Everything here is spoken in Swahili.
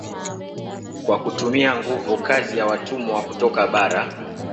kwa kutumia nguvu kazi ya watumwa kutoka bara